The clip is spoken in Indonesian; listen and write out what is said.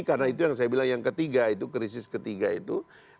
karena itu yang saya bilang yang ketiga itu krisis ketiga itu adalah krisis yang terakhir